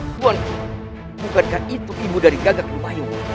buan bukan kan itu ibu dari gagak bayu